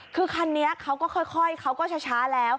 คือคันนี้ค่อยก็ช้านะ